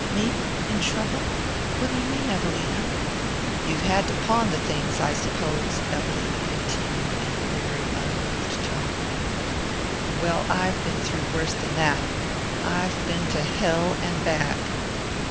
"Me? In trouble? What do you mean, Evelina?" "You've had to pawn the things, I suppose," Evelina continued in a weary unmoved tone. "Well, I've been through worse than that. I've been to hell and back."